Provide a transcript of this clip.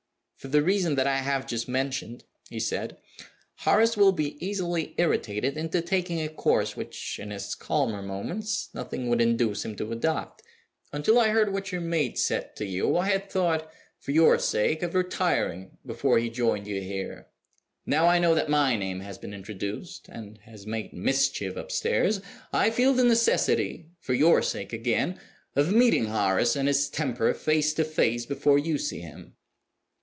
"For the reason that I have just mentioned," he said, "Horace will be easily irritated into taking a course which, in his calmer moments, nothing would induce him to adopt. Until I heard what your maid said to you I had thought (for your sake) of retiring before he joined you here. Now I know that my name has been introduced, and has made mischief upstairs, I feel the necessity (for your sake again) of meeting Horace and his temper face to face before you see him.